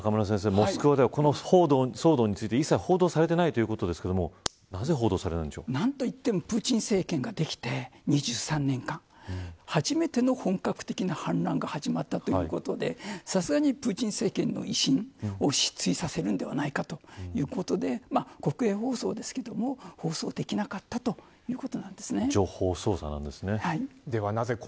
モスクワではこの騒動について一切報道されていないということですが何と言ってもプーチン政権ができて２３年間初めての本格的な反乱が始まったということでさすがにプーチン政権の威信を失墜させるんではないかということで国営放送ですけども放送できなかった情報操作なんですね。